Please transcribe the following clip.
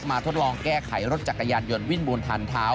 ทดลองแก้ไขรถจักรยานยนต์วิ่งบนทางเท้า